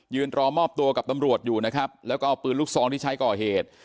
รอมอบตัวกับตำรวจอยู่นะครับแล้วก็เอาปืนลูกซองที่ใช้ก่อเหตุ